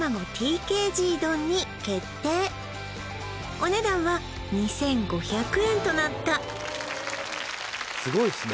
お値段は２５００円となったスゴいっすね